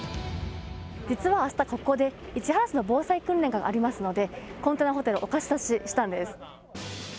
実は明日ここで市原市の防災訓練がありますのでコンテナホテルお貸し出ししたんです。